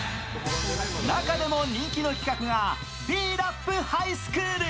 中でも人気の企画が「Ｂ−ＲＡＰハイスクール」。